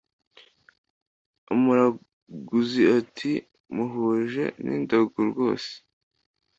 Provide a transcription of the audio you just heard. Umuraguzi ati"muhuje nindagu rwose"